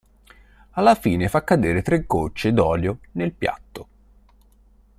Alla fine fa cadere tre gocce d’olio nel piatto.